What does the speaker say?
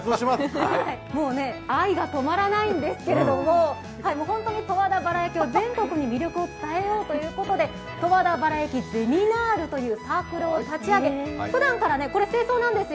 愛が止まらないんですけれども十和田バラ焼きを全国に魅力を伝えようということで十和田バラ焼きゼミナールというサークルを立ち上げふだんから、これが正装なんですよ。